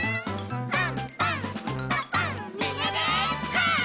「パンパンんパパンみんなでパン！」